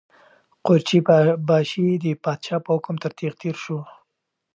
قورچي باشي د پادشاه په حکم تر تېغ تېر شو.